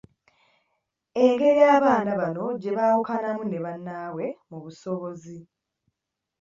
Egeri abaana bano gye baawukanamu ne bannaabwe mu busobozi.